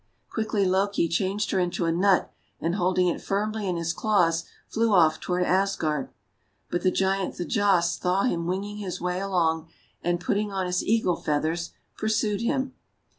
Quickly Loki changed her into a Nut, and holding it firmly in his claws, flew off toward Asgard. But the Giant Thjasse saw him wing ing his way along, and, putting on his eagle feathers, pursued him.